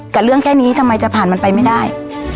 กับเรื่องแค่นี้ทำไมจะผ่านมันไปไม่ได้